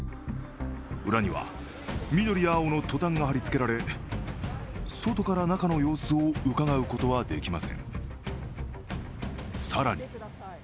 裏には、緑や青のトタンが貼り付けられ外から中の様子をうかがうことはできません。